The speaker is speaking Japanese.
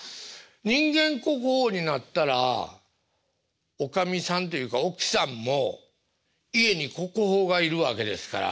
人間国宝になったらおかみさんというか奥さんも家に国宝がいるわけですから。